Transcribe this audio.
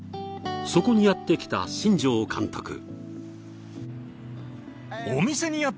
そこにやってきた新庄監督